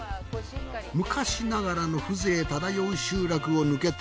昔ながらの風情漂う集落を抜けて。